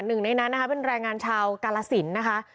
หนึ่งในนั้นนะคะเป็นแรงงานชาวกาลสินนะคะ